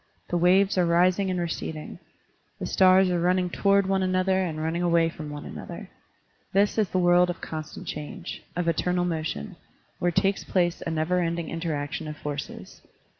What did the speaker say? The waves are rising and receding. The stars are running toward one another and running away from one another. This is the world of constant change, of eternal motion, where takes place a never ending interaction of forces.